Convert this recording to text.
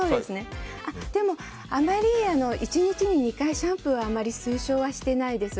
でも、あまり１日に２回シャンプーは推奨はしていないです。